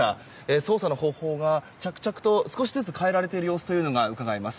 捜査の方法が着々と少しずつ変えられている様子が伺えます。